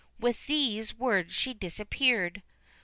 With these words she disappeared.